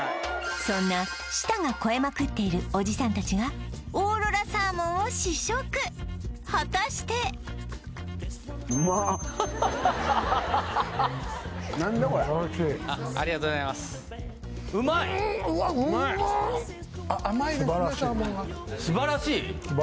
そんな舌が肥えまくっているおじさんたちがオーロラサーモンを試食果たして何だこりゃ・ありがとうございますうまい？素晴らしい？